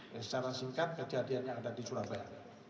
ya secara singkat kejadian yang ada di surabaya